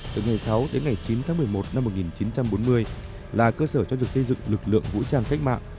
từ ngày sáu đến ngày chín tháng một mươi một năm một nghìn chín trăm bốn mươi là cơ sở cho việc xây dựng lực lượng vũ trang cách mạng